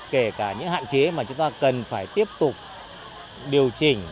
kể cả những hạn chế mà chúng ta cần phải tiếp tục điều chỉnh